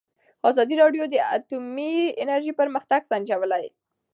ازادي راډیو د اټومي انرژي پرمختګ سنجولی.